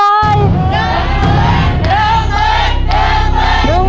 เย้มเลยเย้มเลยเย้มเลยเย้มเลย